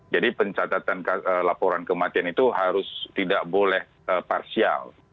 jadi pencatatan laporan kematian itu harus tidak boleh parsial